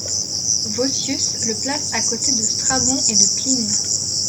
Vossius le place à côté de Strabon et de Pline.